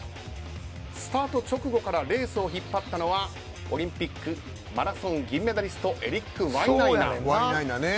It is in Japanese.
スタート直後からレースを引っ張ったのはオリンピックマラソン銀メダリストエリック・ワイナイナ。